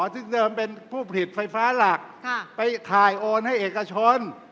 ซึ่งเดิมเป็นผู้ผลิตไฟฟ้าหลักไปขายโอนให้เอกชน